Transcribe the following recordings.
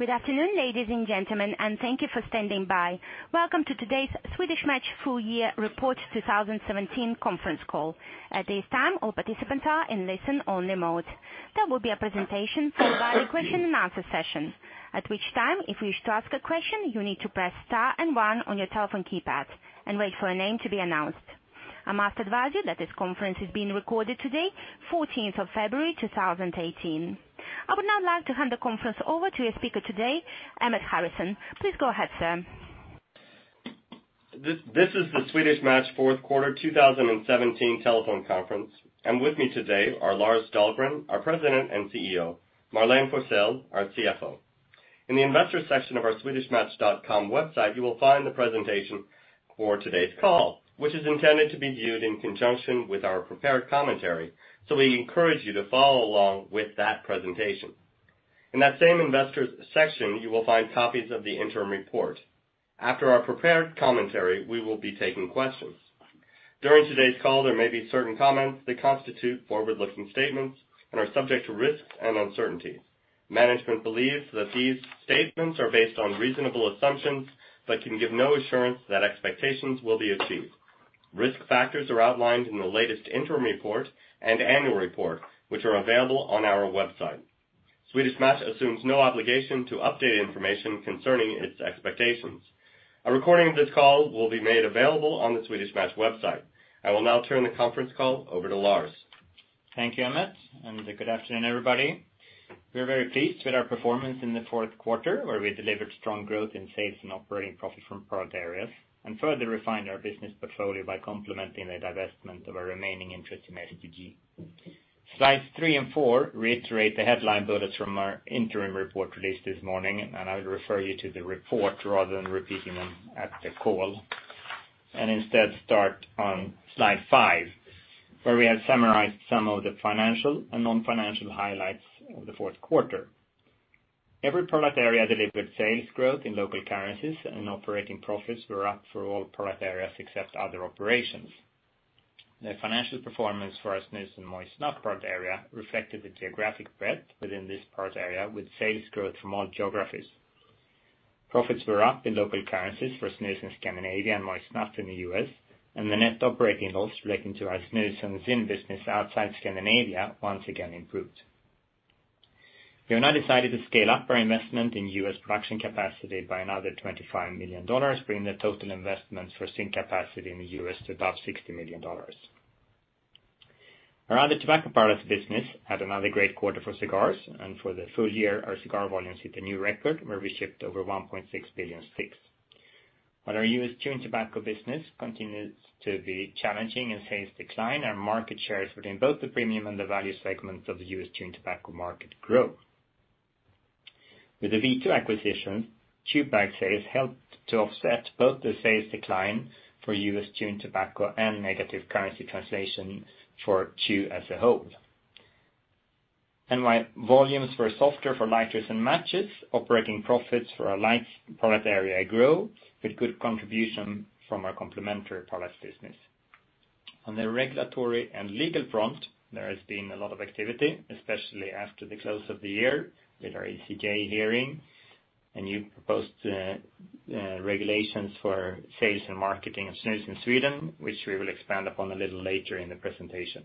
Good afternoon, ladies and gentlemen, and thank you for standing by. Welcome to today's Swedish Match Full Year Report 2017 conference call. At this time, all participants are in listen-only mode. There will be a presentation, followed by a question and answer session. At which time, if you wish to ask a question, you need to press star and one on your telephone keypad, and wait for your name to be announced. I must advise you that this conference is being recorded today, 14th of February, 2018. I would now like to hand the conference over to your speaker today, Emmett Harrison. Please go ahead, sir. This is the Swedish Match fourth quarter 2017 telephone conference, and with me today are Lars Dahlgren, our President and CEO, Marlene Forsell, our CFO. In the Investors section of our swedishmatch.com website, you will find the presentation for today's call, which is intended to be viewed in conjunction with our prepared commentary. We encourage you to follow along with that presentation. In that same Investors section, you will find copies of the interim report. After our prepared commentary, we will be taking questions. During today's call, there may be certain comments that constitute forward-looking statements and are subject to risks and uncertainties. Management believes that these statements are based on reasonable assumptions, but can give no assurance that expectations will be achieved. Risk factors are outlined in the latest interim report and annual report, which are available on our website. Swedish Match assumes no obligation to update information concerning its expectations. A recording of this call will be made available on the Swedish Match website. I will now turn the conference call over to Lars. Thank you, Emmett, and good afternoon, everybody. We are very pleased with our performance in the fourth quarter, where we delivered strong growth in sales and operating profit from product areas, and further refined our business portfolio by complementing the divestment of our remaining interest in STG. Slides three and four reiterate the headline bullets from our interim report released this morning, and I would refer you to the report rather than repeating them at the call. Instead start on slide five, where we have summarized some of the financial and non-financial highlights of the fourth quarter. Every product area delivered sales growth in local currencies, and operating profits were up for all product areas except other operations. The financial performance for our snus and moist snuff product area reflected the geographic breadth within this product area, with sales growth from all geographies. Profits were up in local currencies for snus in Scandinavia and moist snuff in the U.S. The net operating loss relating to our snus and ZYN business outside Scandinavia once again improved. We have now decided to scale up our investment in U.S. production capacity by another $25 million, bringing the total investments for ZYN capacity in the U.S. to about $60 million. Our other tobacco products business had another great quarter for cigars. For the full year, our cigar volumes hit a new record, where we shipped over 1.6 billion sticks. Our U.S. chewing tobacco business continues to be challenging in sales decline. Our market shares within both the premium and the value segments of the U.S. chewing tobacco market grew. With the V2 acquisition, chew bag sales helped to offset both the sales decline for U.S. chewing tobacco and negative currency translation for chew as a whole. While volumes were softer for lighters and matches, operating profits for our lights product area grew, with good contribution from our complementary products business. On the regulatory and legal front, there has been a lot of activity, especially after the close of the year with our ECJ hearing and new proposed regulations for sales and marketing of snus in Sweden, which we will expand upon a little later in the presentation.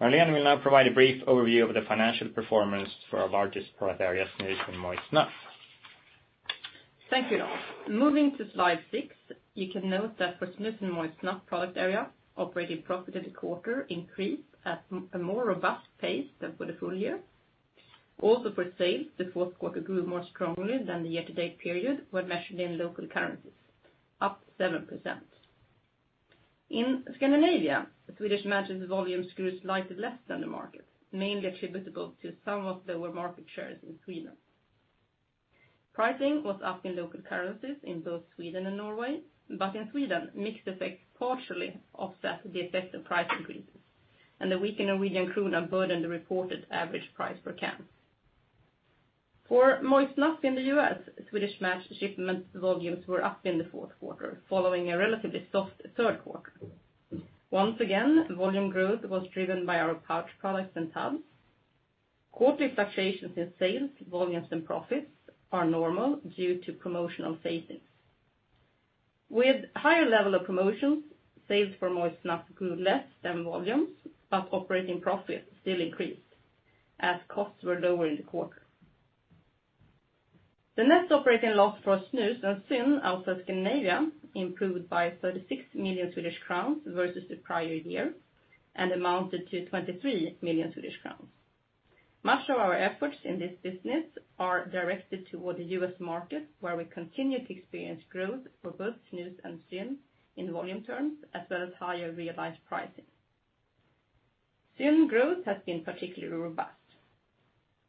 Marlene will now provide a brief overview of the financial performance for our largest product area, snus and moist snuff. Thank you, Lars. Moving to slide six, you can note that for snus and moist snuff product area, operating profit in the quarter increased at a more robust pace than for the full year. For sales, the fourth quarter grew more strongly than the year-to-date period when measured in local currencies, up 7%. In Scandinavia, Swedish Match's volumes grew slightly less than the market, mainly attributable to somewhat lower market shares in Sweden. Pricing was up in local currencies in both Sweden and Norway. In Sweden, mixed effects partially offset the effect of price increases. The weaker Norwegian krone burdened the reported average price per can. For moist snuff in the U.S., Swedish Match shipment volumes were up in the fourth quarter, following a relatively soft third quarter. Volume growth was driven by our pouch products and tubs. Quarterly fluctuations in sales, volumes and profits are normal due to promotional facings. With higher level of promotions, sales for moist snuff grew less than volumes. Operating profits still increased as costs were lower in the quarter. The net operating loss for snus and ZYN outside Scandinavia improved by 36 million Swedish crowns versus the prior year and amounted to 23 million Swedish crowns. Much of our efforts in this business are directed toward the U.S. market, where we continued to experience growth for both snus and ZYN in volume terms, as well as higher realized pricing. ZYN growth has been particularly robust.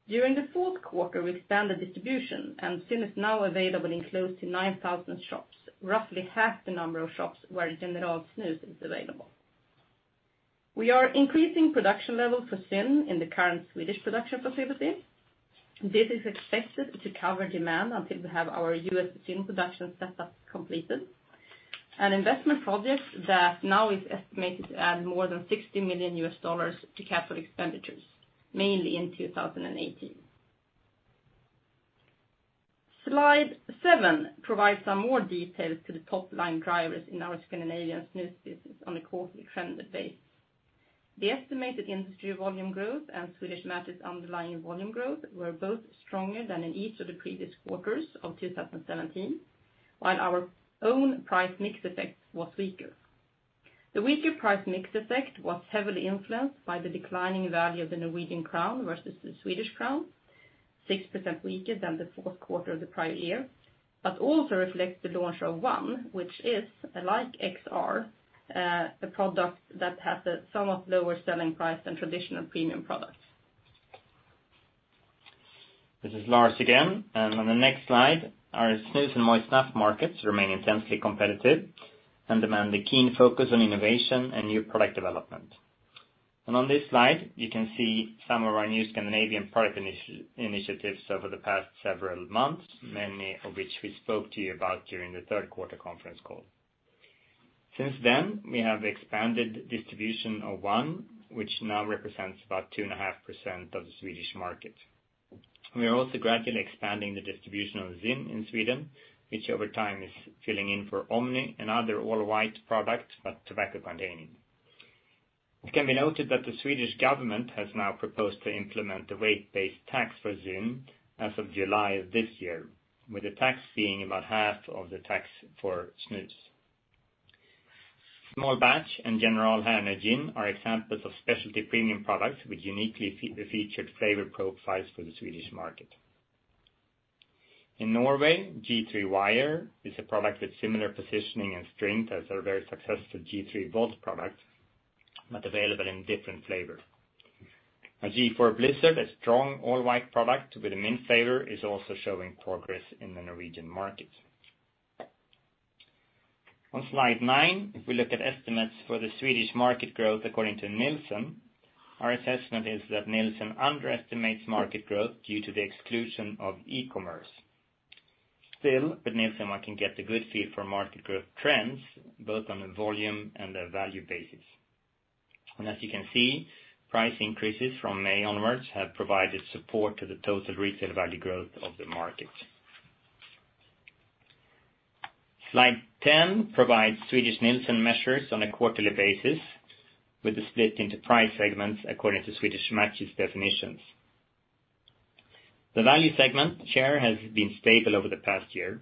During the fourth quarter, we expanded distribution. ZYN is now available in close to 9,000 shops, roughly half the number of shops where General Snus is available. We are increasing production levels for ZYN in the current Swedish production facility. This is expected to cover demand until we have our U.S. ZYN production set up completed. An investment project that now is estimated to add more than $60 million to capital expenditures, mainly in 2018. Slide seven provides some more details to the top-line drivers in our Scandinavian snus business on a quarterly trended base. The estimated industry volume growth and Swedish Match's underlying volume growth were both stronger than in each of the previous quarters of 2017, while our own price mix effect was weaker. The weaker price mix effect was heavily influenced by the declining value of the Norwegian krone versus the Swedish krona, 6% weaker than the fourth quarter of the prior year, but also reflects the launch of ONE, which is, like XR, a product that has a somewhat lower selling price than traditional premium products. This is Lars again. On the next slide, our snus and moist snuff markets remain intensely competitive and demand a keen focus on innovation and new product development. On this slide, you can see some of our new Scandinavian product initiatives over the past several months, many of which we spoke to you about during the third quarter conference call. Since then, we have expanded distribution of ONE, which now represents about 2.5% of the Swedish market. We are also gradually expanding the distribution of ZYN in Sweden, which over time is filling in for Omni and other all-white products, but tobacco containing. It can be noted that the Swedish government has now proposed to implement the weight-based tax for ZYN as of July of this year, with the tax being about half of the tax for snus. Small Batch and General Blended by Hernö Gin are examples of specialty premium products with uniquely featured flavor profiles for the Swedish market. In Norway, G3 Wire is a product with similar positioning and strength as our very successful G3 Volt product, but available in different flavors. Our G.4 Blizzard, a strong all-white product with a mint flavor, is also showing progress in the Norwegian market. On slide nine, if we look at estimates for the Swedish market growth according to Nielsen, our assessment is that Nielsen underestimates market growth due to the exclusion of e-commerce. Still, with Nielsen, one can get a good feel for market growth trends, both on a volume and a value basis. As you can see, price increases from May onwards have provided support to the total retail value growth of the market. Slide 10 provides Swedish Nielsen measures on a quarterly basis with the split into price segments according to Swedish Match's definitions. The value segment share has been stable over the past year.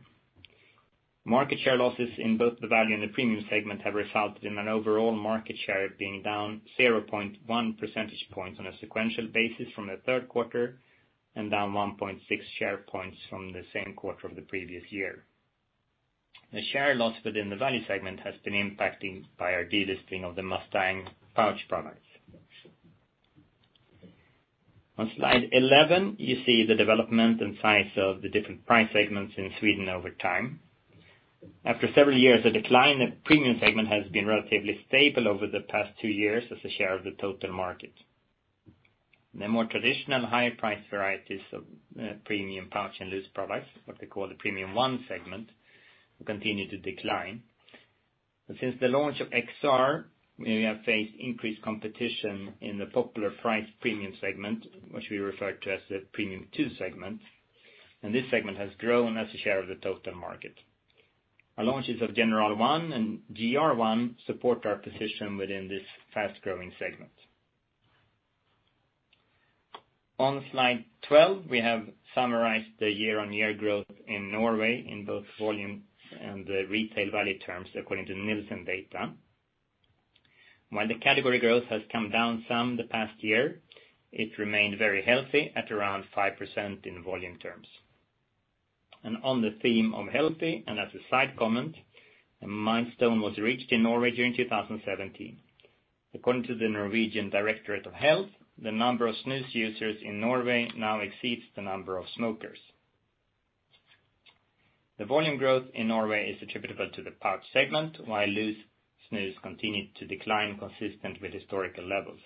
Market share losses in both the value and the premium segment have resulted in an overall market share being down 0.1 percentage points on a sequential basis from the third quarter and down 1.6 share points from the same quarter of the previous year. The share loss within the value segment has been impacted by our delisting of the Mustang pouch products. On slide 11, you see the development and size of the different price segments in Sweden over time. After several years of decline, the premium segment has been relatively stable over the past two years as a share of the total market. The more traditional high-price varieties of premium pouch and loose products, what they call the Premium 1 segment, will continue to decline. Since the launch of XR, we have faced increased competition in the popular price premium segment, which we refer to as the Premium 2 segment. This segment has grown as a share of the total market. Our launches of General ONE and GR ONE support our position within this fast-growing segment. On slide 12, we have summarized the year-on-year growth in Norway in both volume and the retail value terms according to Nielsen data. While the category growth has come down some the past year, it remained very healthy at around 5% in volume terms. On the theme of healthy, and as a side comment, a milestone was reached in Norway during 2017. According to the Norwegian Directorate of Health, the number of snus users in Norway now exceeds the number of smokers. The volume growth in Norway is attributable to the pouch segment, while loose snus continued to decline consistent with historical levels.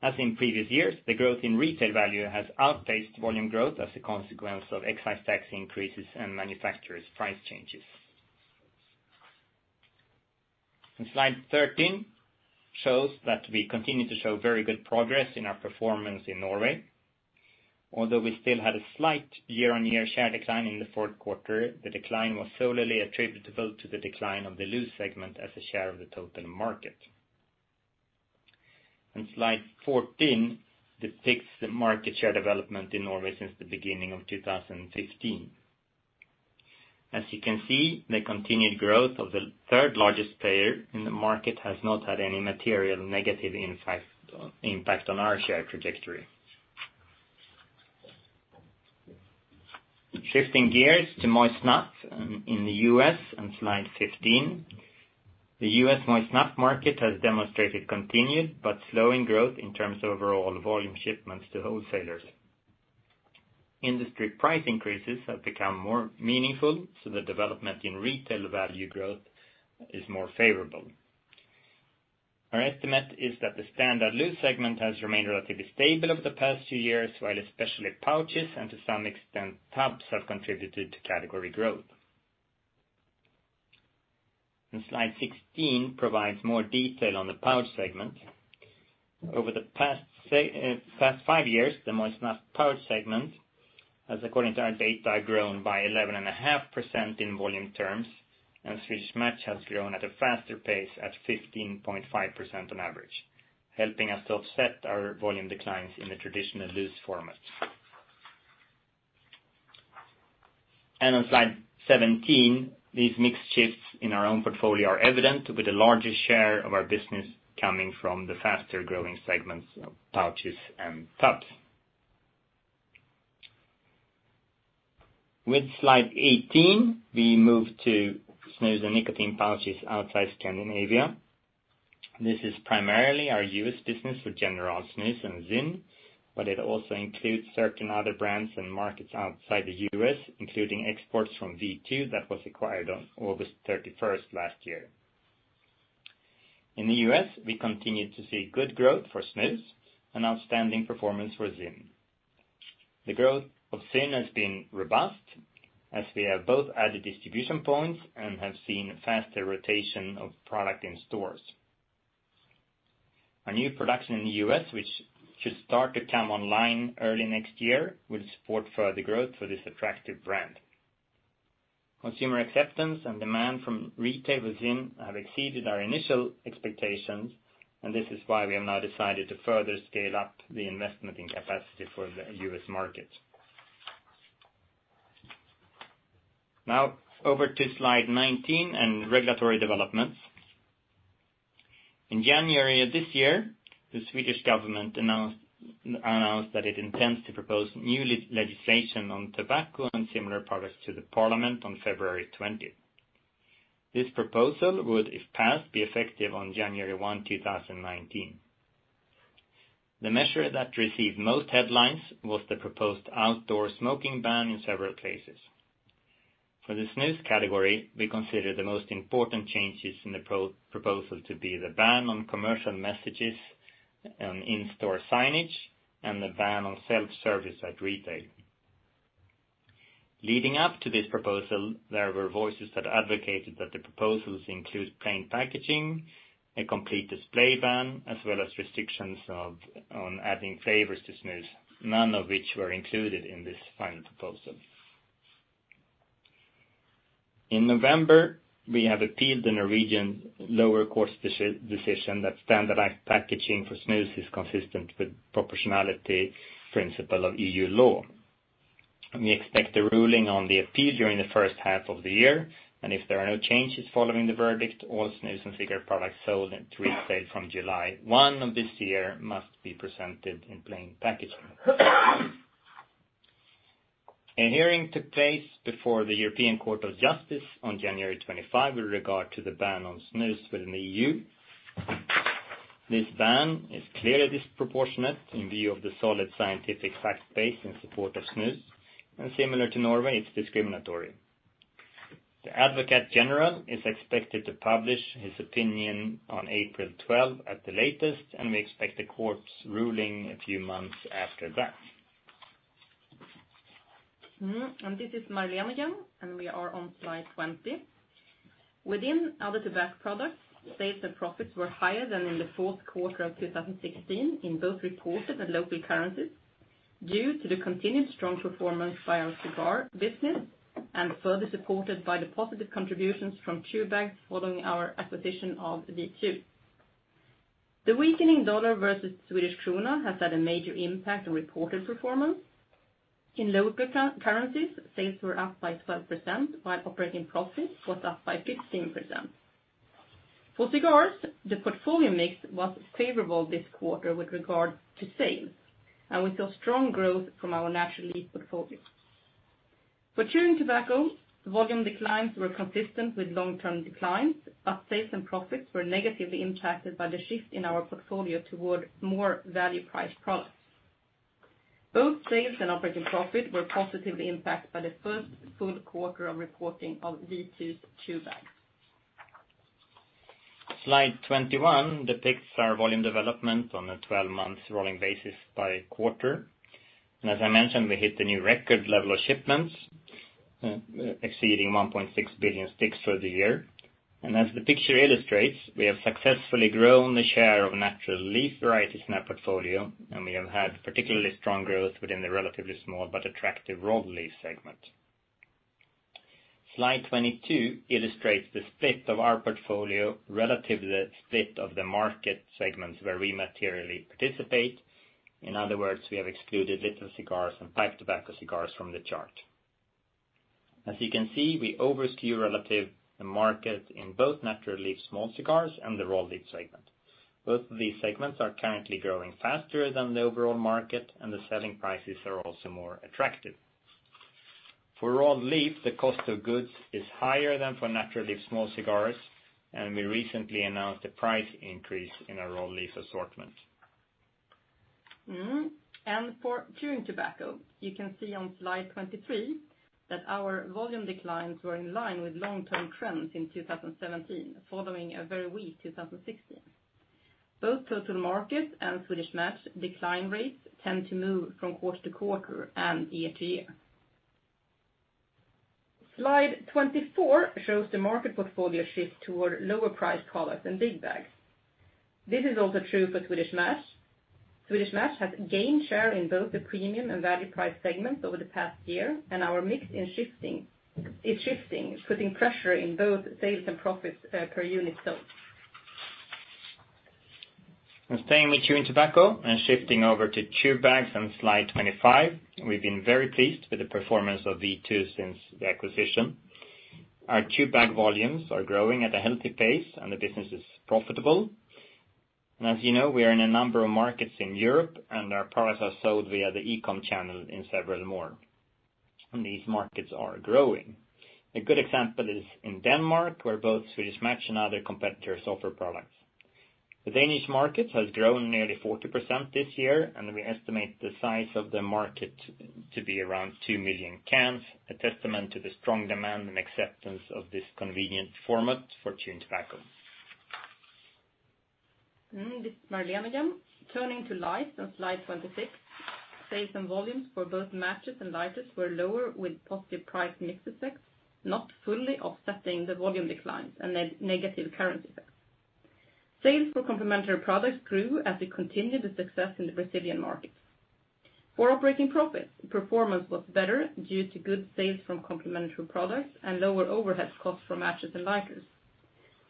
As in previous years, the growth in retail value has outpaced volume growth as a consequence of excise tax increases and manufacturers' price changes. Slide 13 shows that we continue to show very good progress in our performance in Norway. Although we still had a slight year-on-year share decline in the fourth quarter, the decline was solely attributable to the decline of the loose segment as a share of the total market. Slide 14 depicts the market share development in Norway since the beginning of 2015. As you can see, the continued growth of the third largest player in the market has not had any material negative impact on our share trajectory. Shifting gears to moist snuff in the U.S. on slide 15. The U.S. moist snuff market has demonstrated continued but slowing growth in terms of overall volume shipments to wholesalers. Industry price increases have become more meaningful, so the development in retail value growth is more favorable. Our estimate is that the standard loose segment has remained relatively stable over the past two years, while especially pouches and to some extent tubs have contributed to category growth. Slide 16 provides more detail on the pouch segment. Over the past five years, the moist snuff pouch segment, as according to our data, grown by 11.5% in volume terms, Swedish Match has grown at a faster pace at 15.5% on average, helping us to offset our volume declines in the traditional loose format. On slide 17, these mix shifts in our own portfolio are evident with the largest share of our business coming from the faster-growing segments of pouches and tubs. With slide 18, we move to snus and nicotine pouches outside Scandinavia. This is primarily our U.S. business with General Snus and ZYN, but it also includes certain other brands and markets outside the U.S., including exports from V2 that was acquired on August 31st last year. In the U.S., we continued to see good growth for snus and outstanding performance for ZYN. The growth of ZYN has been robust as we have both added distribution points and have seen faster rotation of product in stores. Our new production in the U.S., which should start to come online early next year, will support further growth for this attractive brand. Consumer acceptance and demand from retail with ZYN have exceeded our initial expectations, and this is why we have now decided to further scale up the investment in capacity for the U.S. market. Now over to slide 19 and regulatory developments. In January of this year, the Swedish government announced that it intends to propose new legislation on tobacco and similar products to the Parliament on February 20th. This proposal would, if passed, be effective on January 1, 2019. The measure that received most headlines was the proposed outdoor smoking ban in several places. For the snus category, we consider the most important changes in the proposal to be the ban on commercial messages on in-store signage and the ban on self-service at retail. Leading up to this proposal, there were voices that advocated that the proposals include plain packaging, a complete display ban, as well as restrictions on adding flavors to snus, none of which were included in this final proposal. In November, we have appealed the Norwegian lower court's decision that standardized packaging for snus is consistent with proportionality principle of EU law. We expect the ruling on the appeal during the first half of the year, and if there are no changes following the verdict, all snus and cigar products sold at retail from July 1 of this year must be presented in plain packaging. A hearing took place before the European Court of Justice on January 25 with regard to the ban on snus within the EU. This ban is clearly disproportionate in view of the solid scientific fact base in support of snus, and similar to Norway, it's discriminatory. The Advocate General is expected to publish his opinion on April 12 at the latest. We expect the court's ruling a few months after that. This is Marlene again. We are on slide 20. Within other tobacco products, sales and profits were higher than in the fourth quarter of 2016 in both reported and local currencies due to the continued strong performance by our cigar business and further supported by the positive contributions from chew bags following our acquisition of V2. The weakening dollar versus Swedish krona has had a major impact on reported performance. In local currencies, sales were up by 12%, while operating profits was up by 15%. For cigars, the portfolio mix was favorable this quarter with regard to sales. We saw strong growth from our natural leaf portfolio. For chewing tobacco, volume declines were consistent with long-term declines. Sales and profits were negatively impacted by the shift in our portfolio toward more value-priced products. Both sales and operating profit were positively impacted by the first full quarter of reporting of V2 chew bags. Slide 21 depicts our volume development on a 12-month rolling basis by quarter. As I mentioned, we hit a new record level of shipments, exceeding 1.6 billion sticks for the year. As the picture illustrates, we have successfully grown the share of natural leaf varieties in our portfolio, and we have had particularly strong growth within the relatively small but attractive rolled leaf segment. Slide 22 illustrates the split of our portfolio relative to the split of the market segments where we materially participate. In other words, we have excluded little cigars and pipe tobacco cigars from the chart. As you can see, we over skew relative the market in both natural leaf small cigars and the rolled leaf segment. Both of these segments are currently growing faster than the overall market. The selling prices are also more attractive. For rolled leaf, the cost of goods is higher than for natural leaf small cigars. We recently announced a price increase in our rolled leaf assortment. For chewing tobacco, you can see on slide 23 that our volume declines were in line with long-term trends in 2017, following a very weak 2016. Both total market and Swedish Match decline rates tend to move from quarter to quarter and year to year. Slide 24 shows the market portfolio shift toward lower priced products and big bags. This is also true for Swedish Match. Swedish Match has gained share in both the premium and value price segments over the past year. Our mix is shifting, putting pressure in both sales and profits per unit sold. Staying with chewing tobacco and shifting over to chew bags on slide 25. We have been very pleased with the performance of V2 since the acquisition. Our chew bag volumes are growing at a healthy pace and the business is profitable. As you know, we are in a number of markets in Europe and our products are sold via the e-com channel in several more. These markets are growing. A good example is in Denmark, where both Swedish Match and other competitors offer products. The Danish market has grown nearly 40% this year, and we estimate the size of the market to be around 2 million cans, a testament to the strong demand and acceptance of this convenient format for chewing tobacco. This is Marlene again. Turning to lights on slide 26. Sales and volumes for both matches and lighters were lower with positive price mix effects, not fully offsetting the volume declines and negative currency effects. Sales for complementary products grew as we continued the success in the Brazilian market. For operating profits, performance was better due to good sales from complementary products and lower overhead costs for matches and lighters.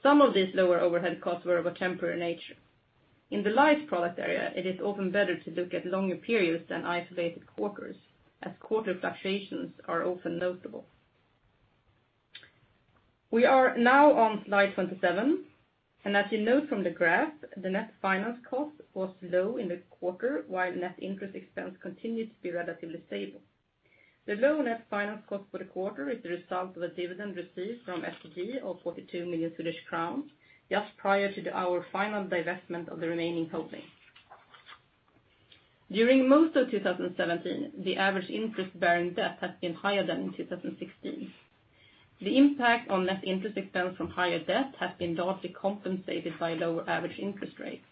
Some of these lower overhead costs were of a temporary nature. In the lights product area, it is often better to look at longer periods than isolated quarters, as quarter fluctuations are often notable. We are now on slide 27, and as you note from the graph, the net finance cost was low in the quarter, while net interest expense continued to be relatively stable. The low net finance cost for the quarter is the result of a dividend received from STG of 42 million Swedish crowns just prior to our final divestment of the remaining holding. During most of 2017, the average interest-bearing debt has been higher than in 2016. The impact on net interest expense from higher debt has been largely compensated by lower average interest rates.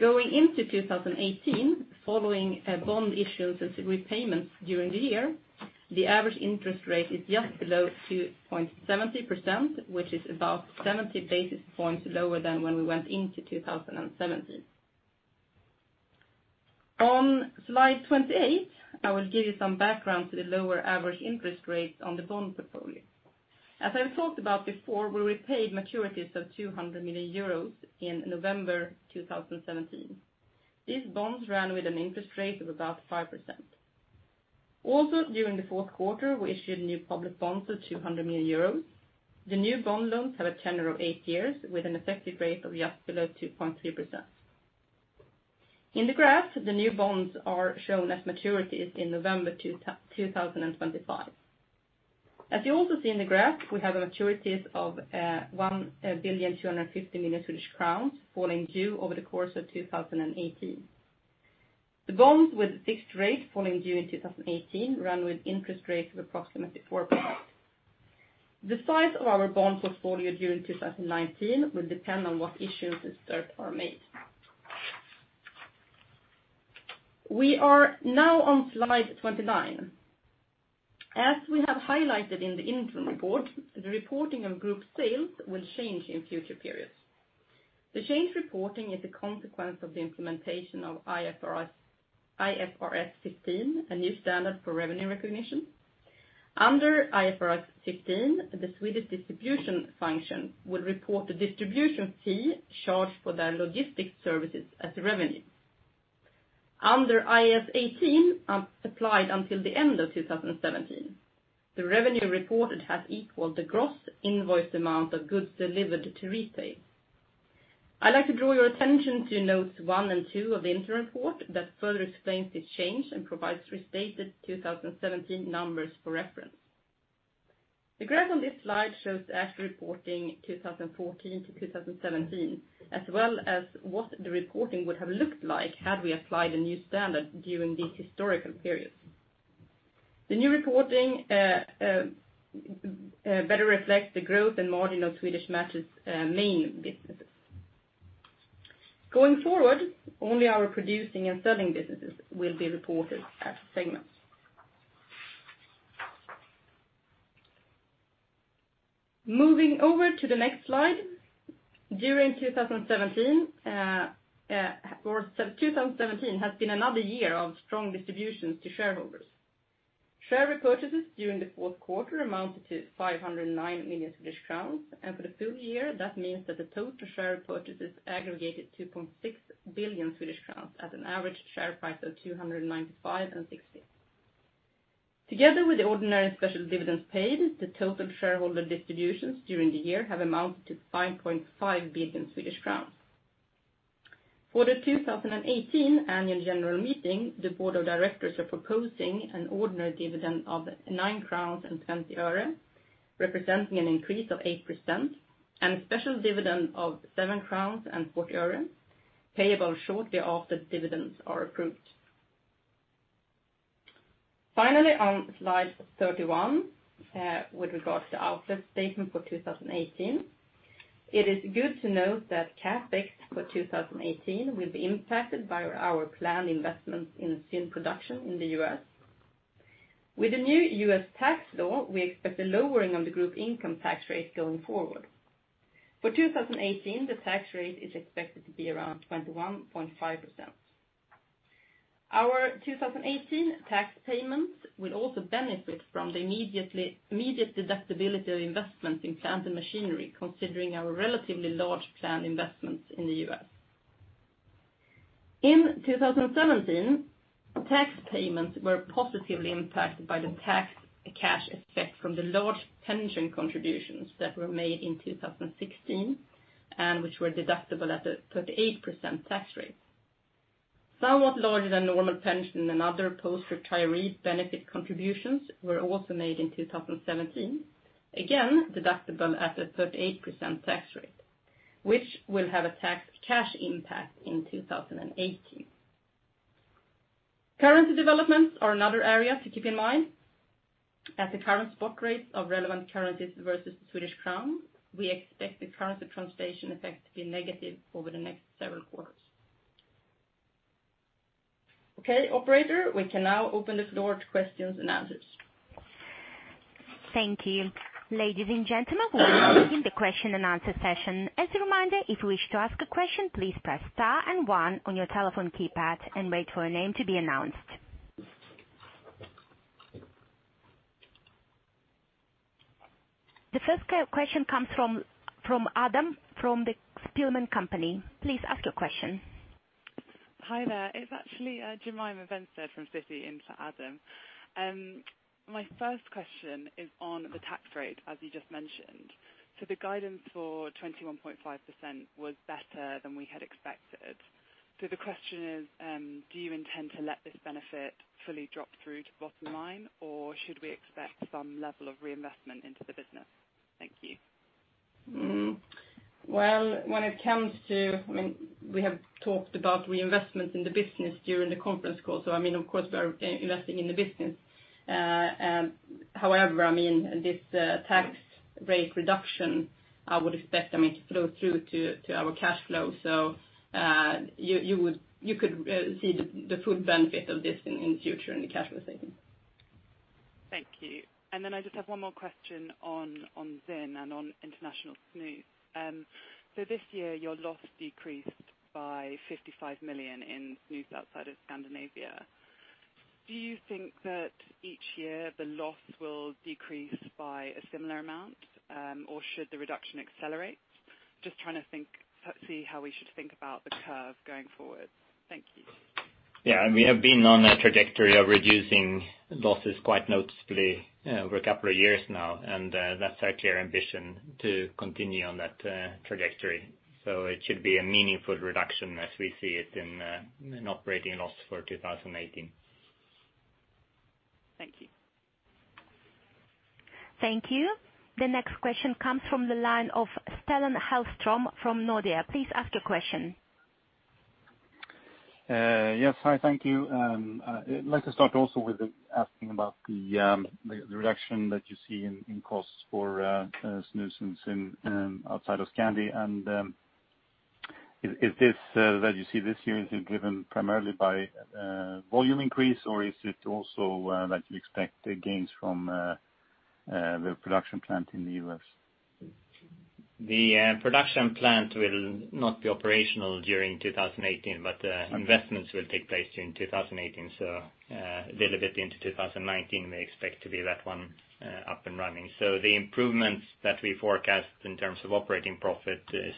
Going into 2018, following bond issues as repayments during the year, the average interest rate is just below 2.70%, which is about 70 basis points lower than when we went into 2017. On slide 28, I will give you some background to the lower average interest rates on the bond portfolio. As I've talked about before, we repaid maturities of 200 million euros in November 2017. These bonds ran with an interest rate of about 5%. During the fourth quarter, we issued new public bonds of 200 million euros. The new bond loans have a tenure of eight years with an effective rate of just below 2.3%. In the graph, the new bonds are shown as maturities in November 2025. As you also see in the graph, we have maturities of 1.25 billion falling due over the course of 2018. The bonds with fixed rate falling due in 2018 run with interest rates of approximately 4%. The size of our bond portfolio during 2019 will depend on what issues this third are made. We are now on slide 29. As we have highlighted in the interim report, the reporting of group sales will change in future periods. The change in reporting is a consequence of the implementation of IFRS 15, a new standard for revenue recognition. Under IFRS 15, the Swedish distribution function will report the distribution fee charged for their logistics services as revenue. Under IAS 18, applied until the end of 2017, the revenue reported has equaled the gross invoiced amount of goods delivered to retail. I'd like to draw your attention to notes one and two of the interim report that further explains this change and provides restated 2017 numbers for reference. The graph on this slide shows the actual reporting 2014 to 2017, as well as what the reporting would have looked like had we applied the new standard during these historical periods. The new reporting better reflects the growth and margin of Swedish Match's main businesses. Going forward, only our producing and selling businesses will be reported as segments. Moving over to the next slide. 2017 has been another year of strong distributions to shareholders. Share repurchases during the fourth quarter amounted to 509 million Swedish crowns. For the full year, that means that the total share purchases aggregated 2.6 billion Swedish crowns at an average share price of 295.60. Together with the ordinary special dividends paid, the total shareholder distributions during the year have amounted to 5.5 billion Swedish crowns. For the 2018 annual general meeting, the board of directors are proposing an ordinary dividend of SEK 9.20. Representing an increase of 8% and a special dividend of SEK 7.40, payable shortly after dividends are approved. Finally, on Slide 31, with regards to outlook statement for 2018, it is good to note that CapEx for 2018 will be impacted by our planned investments in ZYN production in the U.S. With the new U.S. tax law, we expect a lowering of the group income tax rate going forward. For 2018, the tax rate is expected to be around 21.5%. Our 2018 tax payments will also benefit from the immediate deductibility of investment in plant and machinery, considering our relatively large planned investments in the U.S. In 2017, tax payments were positively impacted by the tax cash effect from the large pension contributions that were made in 2016, which were deductible at a 38% tax rate. Somewhat larger than normal pension and other post-retiree benefit contributions were also made in 2017, again deductible at a 38% tax rate, which will have a tax cash impact in 2018. Currency developments are another area to keep in mind. At the current spot rates of relevant currencies versus the Swedish krona, we expect the currency translation effect to be negative over the next several quarters. Okay, operator, we can now open the floor to questions and answers. Thank you. Ladies and gentlemen, welcome in the question and answer session. As a reminder, if you wish to ask a question, please press Star and One on your telephone keypad and wait for your name to be announced. The first question comes from Adam from Citi. Please ask your question. Hi there. It's actually Jemima Vencerd from Citi in for Adam. My first question is on the tax rate, as you just mentioned. The guidance for 21.5% was better than we had expected. The question is, do you intend to let this benefit fully drop through to the bottom line, or should we expect some level of reinvestment into the business? Thank you. Well, we have talked about reinvestment in the business during the conference call, of course, we are investing in the business. However, this tax rate reduction, I would expect to flow through to our cash flow. You could see the full benefit of this in the future in the cash flow statement. Thank you. I just have one more question on ZYN and on international snus. This year your loss decreased by 55 million in snus outside of Scandinavia. Do you think that each year the loss will decrease by a similar amount, or should the reduction accelerate? Just trying to see how we should think about the curve going forward. Thank you. Yeah, we have been on a trajectory of reducing losses quite noticeably over a couple of years now. That's our clear ambition to continue on that trajectory. It should be a meaningful reduction as we see it in operating loss for 2018. Thank you. Thank you. The next question comes from the line of Stellan Hellström from Nordea. Please ask your question. Yes. Hi, thank you. I'd like to start also with asking about the reduction that you see in costs for snus and ZYN outside of Scandi, is this that you see this year, is it driven primarily by volume increase or is it also that you expect gains from the production plant in the U.S.? The production plant will not be operational during 2018, but investments will take place during 2018. A little bit into 2019, we expect to be that one up and running. The improvements that we forecast in terms of operating profit is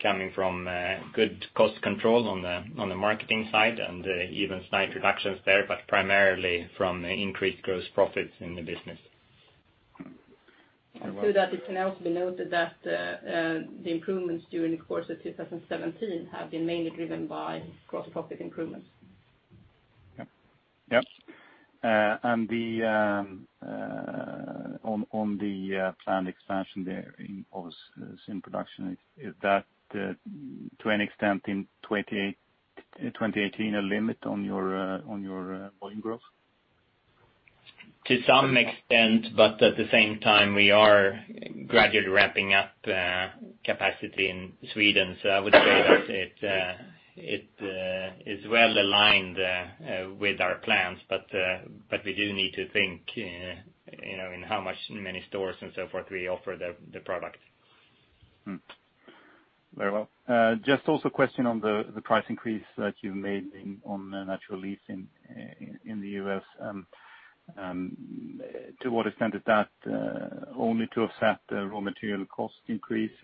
coming from good cost control on the marketing side and even slight reductions there, but primarily from increased gross profits in the business. To that it can also be noted that the improvements during the course of 2017 have been mainly driven by gross profit improvements. Yep. On the planned expansion there in ZYN production, is that to an extent in 2018, a limit on your volume growth? To some extent, but at the same time we are gradually ramping up capacity in Sweden. I would say that it is well aligned with our plans. We do need to think in how much, many stores and so forth we offer the product. Very well. Just also a question on the price increase that you made on natural leaf in the U.S. To what extent is that only to offset the raw material cost increases?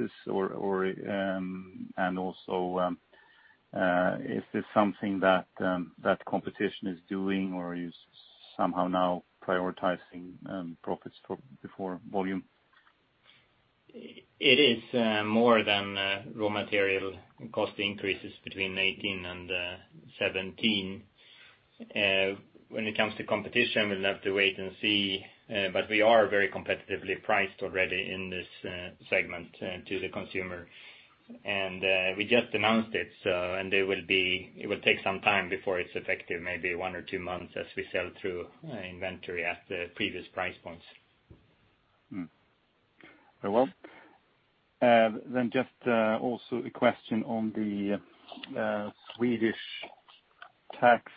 Is this something that competition is doing or are you somehow now prioritizing profits before volume? It is more than raw material cost increases between 2018 and 2017. When it comes to competition, we'll have to wait and see, but we are very competitively priced already in this segment to the consumer. We just announced it, and it will take some time before it's effective, maybe one or two months as we sell through inventory at the previous price points. Very well. Just also a question on the Swedish tax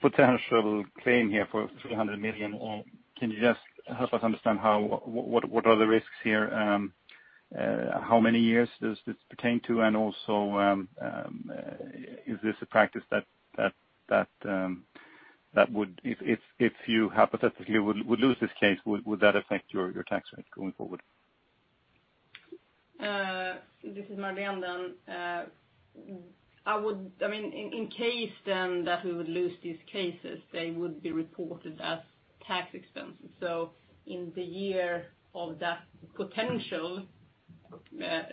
potential claim here for 300 million. Can you just help us understand what are the risks here? How many years does this pertain to? Also, if you hypothetically would lose this case, would that affect your tax rate going forward? This is Marlene then. In case that we would lose these cases, they would be reported as tax expenses. In the year of that potential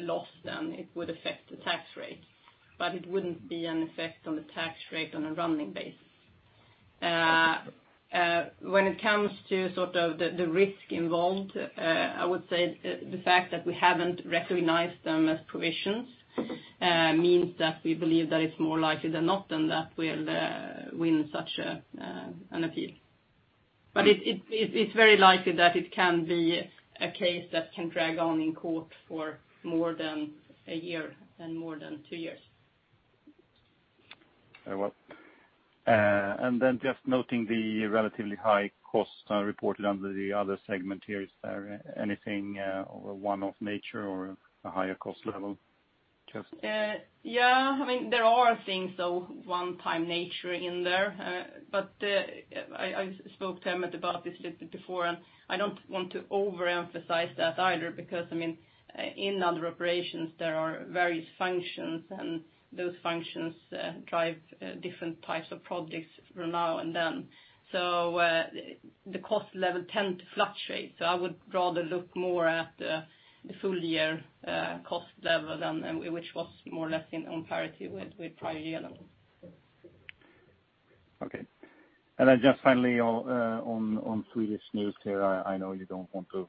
loss then it would affect the tax rate, but it wouldn't be an effect on the tax rate on a running base. When it comes to the risk involved, I would say the fact that we haven't recognized them as provisions means that we believe that it's more likely than not then that we'll win such an appeal. It's very likely that it can be a case that can drag on in court for more than a year and more than two years. Very well. Just noting the relatively high cost reported under the other segment here. Is there anything of a one-off nature or a higher cost level? Yeah. There are things of one-time nature in there. I spoke to Hemant about this a little bit before, I don't want to overemphasize that either, because in other operations, there are various functions, those functions drive different types of projects from now and then. The cost level tend to fluctuate. I would rather look more at the full-year cost level, which was more or less on parity with prior-year levels. Okay. Just finally, on Swedish snus here, I know you don't want to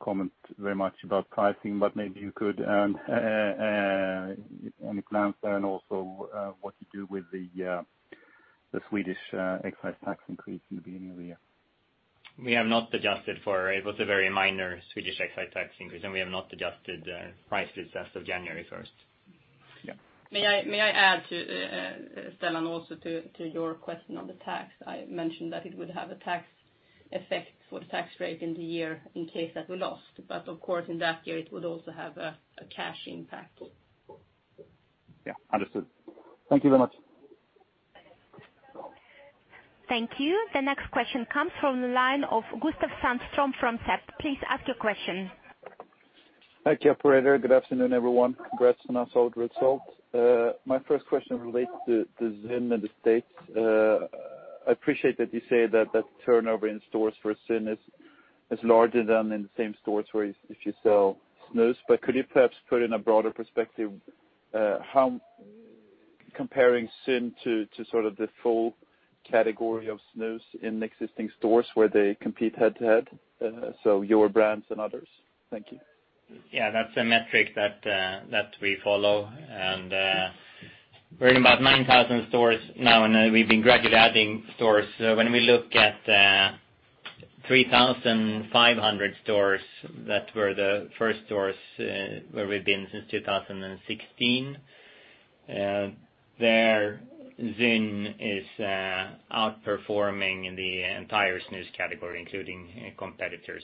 comment very much about pricing, but maybe you could, any plans there, also what you do with the Swedish excise tax increase in the beginning of the year? We have not adjusted for it. It was a very minor Swedish excise tax increase, we have not adjusted prices as of January 1st. Yeah. May I add to, Stellan, also to your question on the tax. I mentioned that it would have a tax effect for the tax rate in the year in case that we lost. Of course, in that year, it would also have a cash impact. Yeah, understood. Thank you very much. Thank you. The next question comes from the line of Gustaf Sandstrom from SEB. Please ask your question. Thank you, operator. Good afternoon, everyone. Congrats on a solid result. My first question relates to ZYN in the States. I appreciate that you say that turnover in stores for ZYN is larger than in the same stores where if you sell snus. Could you perhaps put in a broader perspective, comparing ZYN to the full category of snus in existing stores where they compete head to head, so your brands and others? Thank you. Yeah, that's a metric that we follow, and we're in about 9,000 stores now, and we've been gradually adding stores. When we look at 3,500 stores that were the first stores where we've been since 2016, there ZYN is outperforming the entire snus category, including competitors,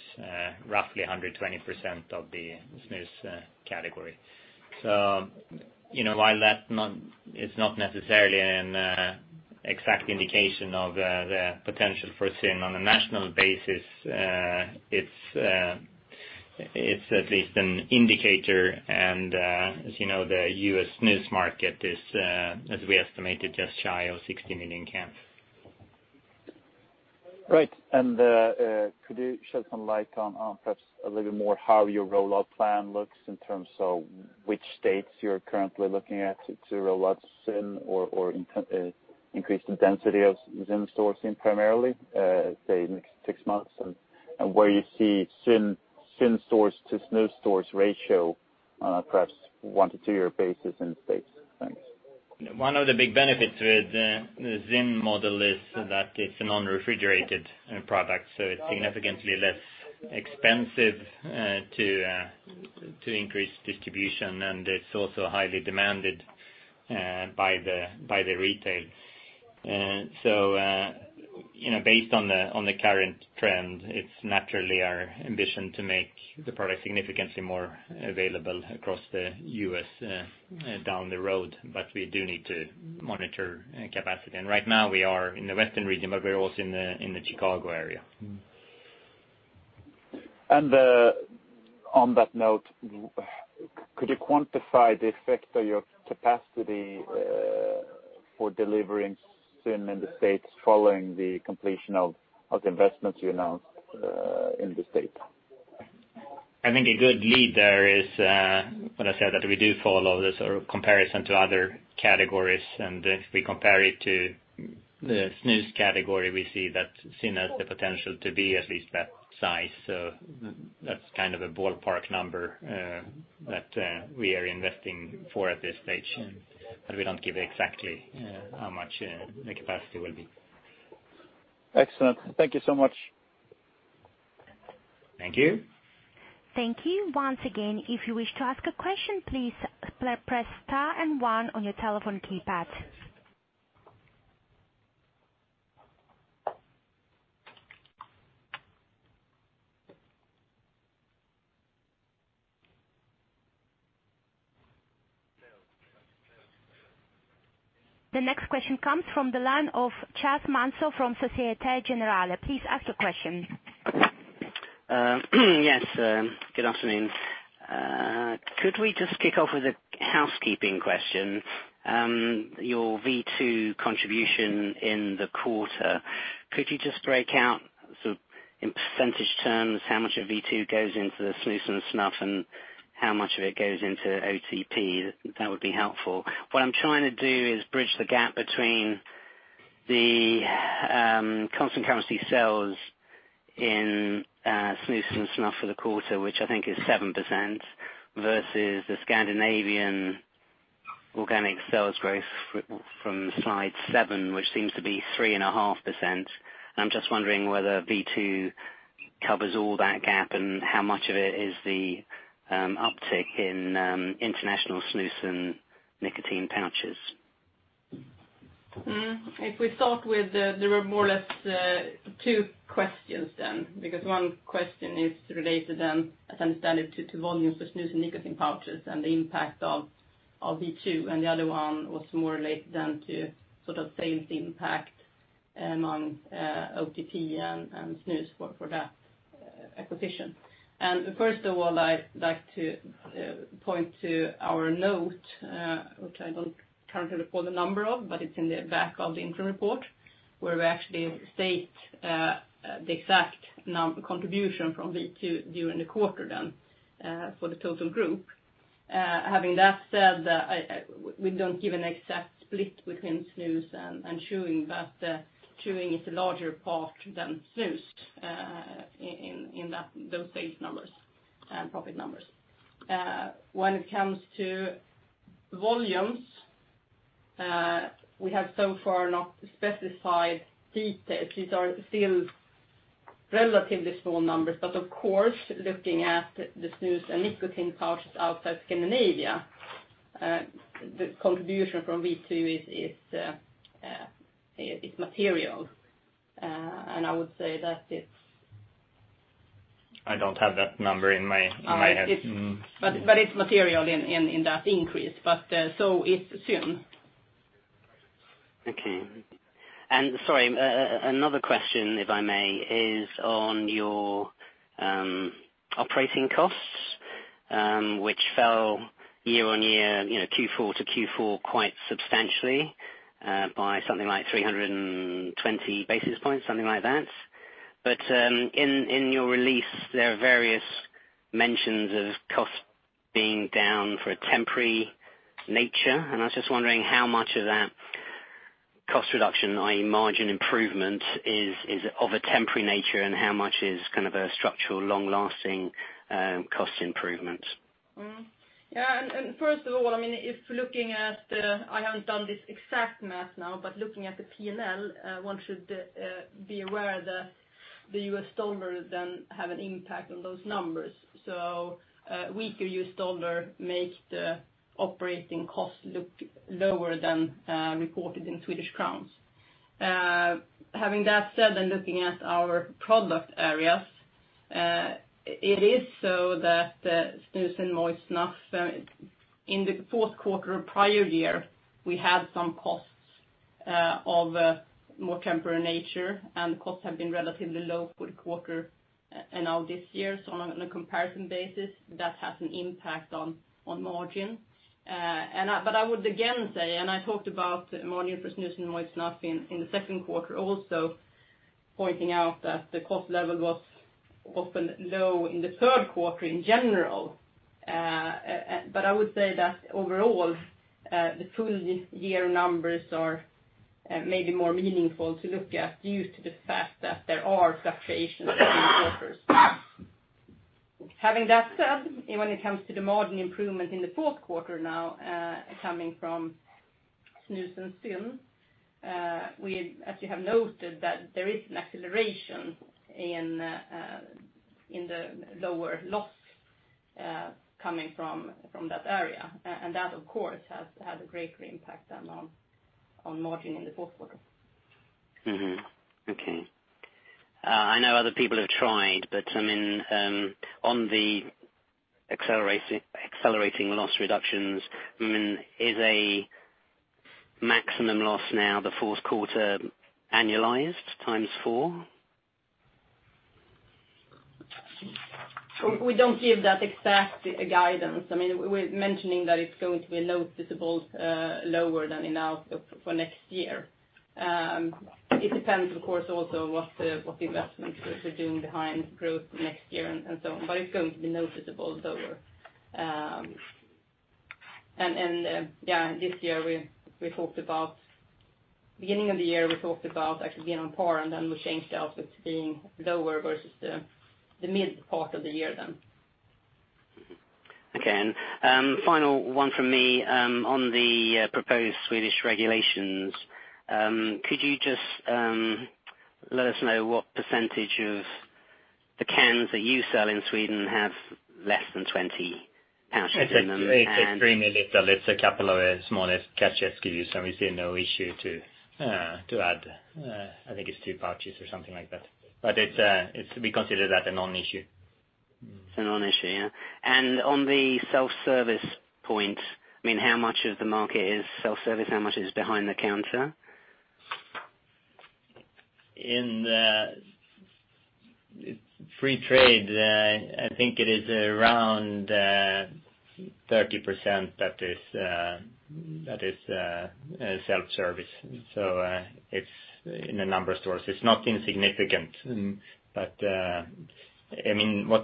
roughly 120% of the snus category. While that is not necessarily an exact indication of the potential for ZYN on a national basis, it's at least an indicator, and as you know, the U.S. snus market is, as we estimated, just shy of 16 million cans. Right. Could you shed some light on perhaps a little more how your rollout plan looks in terms of which states you're currently looking at to roll out ZYN or increase the density of ZYN stores in primarily, say, next six months? Where you see ZYN stores to snus stores ratio on a perhaps one to two year basis in the States? Thanks. One of the big benefits with the ZYN model is that it's a non-refrigerated product, so it's significantly less expensive to increase distribution, and it's also highly demanded by the retail. Based on the current trend, it's naturally our ambition to make the product significantly more available across the U.S. down the road, but we do need to monitor capacity. Right now we are in the western region, but we're also in the Chicago area. On that note, could you quantify the effect of your capacity for delivering ZYN in the States following the completion of the investments you announced in the States? I think a good lead there is when I said that we do follow the comparison to other categories. If we compare it to the snus category, we see that ZYN has the potential to be at least that size. That's a ballpark number that we are investing for at this stage, but we don't give exactly how much the capacity will be. Excellent. Thank you so much. Thank you. Thank you. Once again, if you wish to ask a question, please press star and one on your telephone keypad. The next question comes from the line of Charles Manso from Société Générale. Please ask your question. Yes. Good afternoon. Could we just kick off with a housekeeping question? Your V2 contribution in the quarter, could you just break out in percentage terms how much of V2 goes into the snus and snuff, and how much of it goes into OTP? That would be helpful. What I'm trying to do is bridge the gap between the constant currency sales in snus and snuff for the quarter, which I think is 7%, versus the Scandinavian organic sales growth from slide seven, which seems to be 3.5%. I'm just wondering whether V2 covers all that gap and how much of it is the uptick in international snus and nicotine pouches. If we start with the more or less two questions then, because one question is related then, as I understand it, to volumes for snus and nicotine pouches and the impact of V2, the other one was more related then to sales impact among OTP and snus for that acquisition. First of all, I'd like to point to our note, which I don't currently recall the number of, but it's in the back of the interim report, where we actually state the exact contribution from V2 during the quarter then for the total group. Having that said, we don't give an exact split between snus and chewing but chewing is a larger part than snus in those sales numbers and profit numbers. When it comes to volumes, we have so far not specified details. These are still relatively small numbers, but of course, looking at the snus and nicotine pouches outside Scandinavia, the contribution from V2 is material. I would say that it's. I don't have that number in my head. it's material in that increase, but so is ZYN. Okay. Sorry, another question, if I may, is on your operating costs, which fell year-over-year, Q4 to Q4, quite substantially, by something like 320 basis points, something like that. In your release, there are various mentions of costs being down for a temporary nature. I was just wondering how much of that cost reduction, i.e. margin improvement, is of a temporary nature, and how much is a structural long-lasting cost improvement? Yeah. First of all, if looking at the, I haven't done this exact math now, but looking at the P&L, one should be aware that the U.S. dollar then have an impact on those numbers. A weaker U.S. dollar makes the operating costs look lower than reported in Swedish kronor. Having that said, looking at our product areas, it is so that the snus and moist snuff in the fourth quarter of prior year, we had some costs of a more temporary nature, and costs have been relatively low for the quarter and now this year. On a comparison basis, that has an impact on margin. I would again say, I talked about margin for snus and moist snuff in the second quarter also, pointing out that the cost level was often low in the third quarter in general. I would say that overall, the full year numbers are maybe more meaningful to look at due to the fact that there are fluctuations in quarters. Having that said, when it comes to the margin improvement in the fourth quarter now, coming from snus and ZYN, we as you have noted that there is an acceleration in the lower loss coming from that area. That, of course, has had a greater impact than on margin in the fourth quarter. Mm-hmm. Okay. I know other people have tried, but on the accelerating loss reductions, is a Maximum loss now, the fourth quarter, annualized times four? We don't give that exact guidance. We're mentioning that it's going to be noticeable, lower than in our scope for next year. It depends, of course, also what the investments we're doing behind growth next year and so on. It's going to be noticeably lower. Yeah, beginning of the year, we talked about actually being on par and then we changed the outlook to being lower versus the mid part of the year then. Okay. Final one from me. On the proposed Swedish regulations, could you just let us know what percentage of the cans that you sell in Sweden have less than 20 pouches in them? It's extremely little. It's a couple of smallest pouches, so we see no issue to add, I think it's two pouches or something like that. We consider that a non-issue. It's a non-issue, yeah. On the self-service point, how much of the market is self-service? How much is behind the counter? In the free trade, I think it is around 30% that is self-service. It's in a number of stores. It's not insignificant. What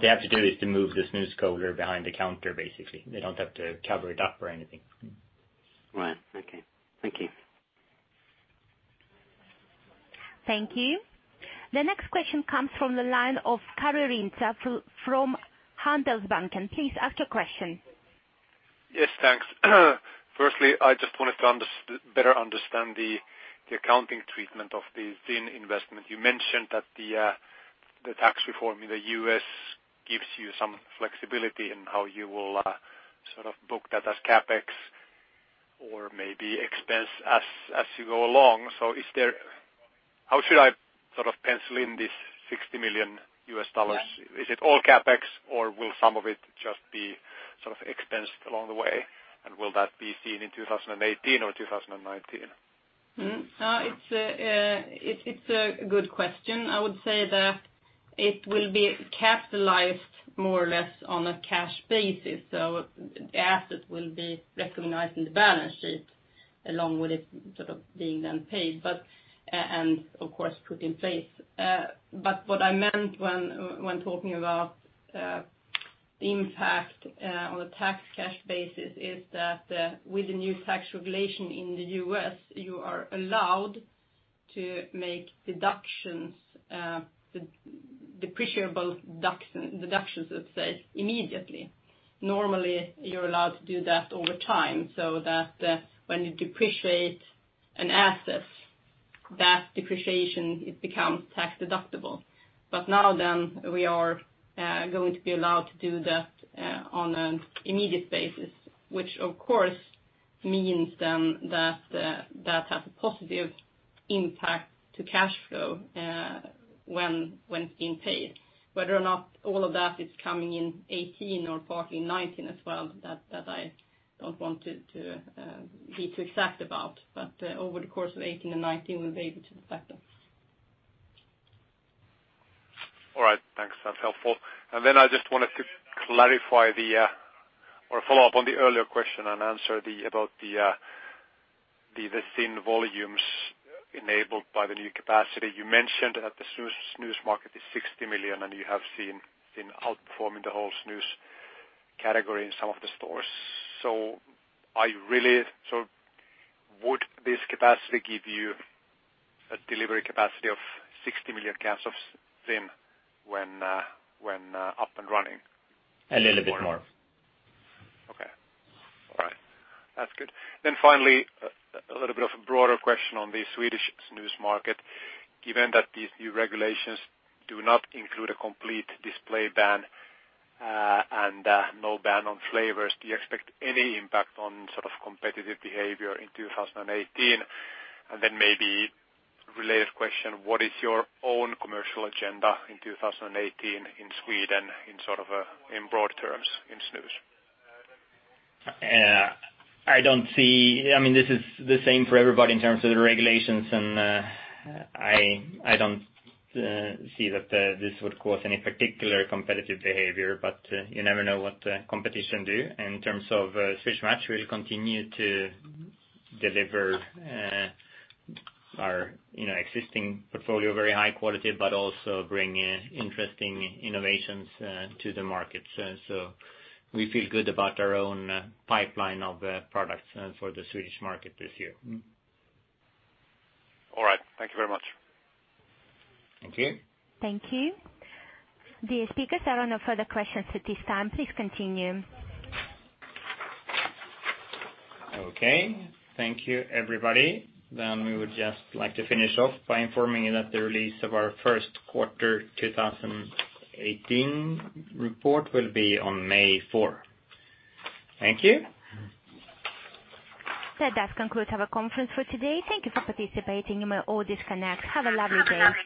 they have to do is to move the snus cooler behind the counter, basically. They don't have to cover it up or anything. Right. Okay. Thank you. Thank you. The next question comes from the line of Karri Rinta from Handelsbanken. Please ask your question. Yes, thanks. Firstly, I just wanted to better understand the accounting treatment of the ZYN investment. You mentioned that the tax reform in the U.S. gives you some flexibility in how you will sort of book that as CapEx or maybe expense as you go along. How should I pencil in this $60 million? Is it all CapEx or will some of it just be expense along the way? Will that be seen in 2018 or 2019? It's a good question. I would say that it will be capitalized more or less on a cash basis. The asset will be recognized in the balance sheet along with it sort of being then paid and of course, put in place. What I meant when talking about the impact on the tax cash basis is that with the new tax regulation in the U.S., you are allowed to make depreciable deductions, let's say, immediately. Normally, you're allowed to do that over time, so that when you depreciate an asset, that depreciation, it becomes tax-deductible. Now then, we are going to be allowed to do that on an immediate basis, which of course means then that has a positive impact to cash flow when it's being paid. Whether or not all of that is coming in 2018 or partly in 2019 as well, that I don't want to be too exact about. Over the course of 2018 and 2019, we'll be able to factor. All right. Thanks. That's helpful. Then I just wanted to clarify or follow up on the earlier question and answer about the ZYN volumes enabled by the new capacity. You mentioned that the snus market is 60 million, and you have seen it outperforming the whole snus category in some of the stores. Would this capacity give you a delivery capacity of 60 million cans of ZYN when up and running? A little bit more. Okay. All right. That's good. Finally, a little bit of a broader question on the Swedish snus market. Given that these new regulations do not include a complete display ban, and no ban on flavors, do you expect any impact on competitive behavior in 2018? Maybe related question, what is your own commercial agenda in 2018 in Sweden in broad terms in snus? This is the same for everybody in terms of the regulations, and I don't see that this would cause any particular competitive behavior, but you never know what the competition do. In terms of Swedish Match, we'll continue to deliver our existing portfolio, very high quality, but also bring interesting innovations to the market. We feel good about our own pipeline of products for the Swedish market this year. All right. Thank you very much. Thank you. Thank you. Dear speakers, there are no further questions at this time. Please continue. Okay. Thank you, everybody. We would just like to finish off by informing you that the release of our first quarter 2018 report will be on May 4. Thank you. That does conclude our conference for today. Thank you for participating. You may all disconnect. Have a lovely day.